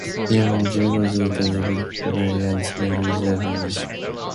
It can be difficult to distinguish primary and secondary articulation.